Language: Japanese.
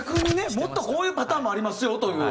もっとこういうパターンもありますよという。